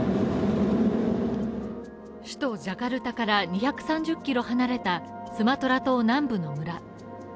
首都ジャカルタから２３０キロ離れたスマトラ島南部の村。